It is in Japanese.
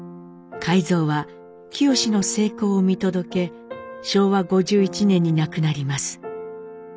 海蔵は清の成功を見届け昭和５１年に亡くなります。